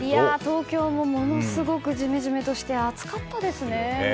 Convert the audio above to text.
東京もものすごくジメジメとして暑かったですね。